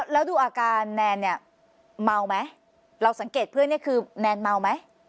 แล้วดูอาการแนนเนี่ยเมาไหมเราสังเกตเพื่อนเนี่ยคือแนนเมาไหม